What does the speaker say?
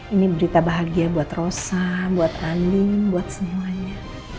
ini berita bahagia buat rosa buat andin buat semuanya